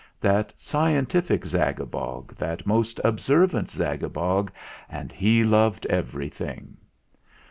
That scientific Zagabog, That most observant Zagabog: And he loved everything.